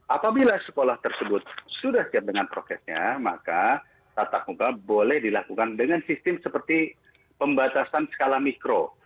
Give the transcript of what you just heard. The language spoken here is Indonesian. apabila sekolah tersebut sudah siap dengan prokesnya maka tatap muka boleh dilakukan dengan sistem seperti pembatasan skala mikro